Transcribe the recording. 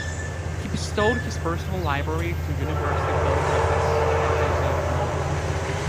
He bestowed his personal library to University of Belgrade Faculty of Law.